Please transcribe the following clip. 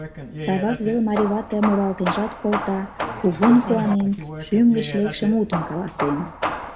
Савак вел марий вате муралтенжат колта, кугун куанен, шӱм гыч лекше мутым каласен!